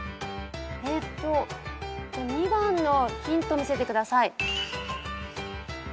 ２番のヒント見せてください。